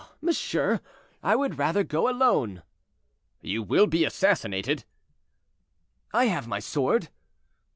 "Oh, monsieur, I would rather go alone." "You will be assassinated." "I have my sword."